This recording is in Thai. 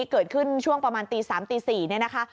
เกิดขึ้นช่วงประมาณตี๓ตี๔เนี่ยนะคะ